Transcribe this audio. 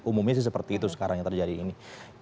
umumnya sih seperti itu sekarang yang terjadi ini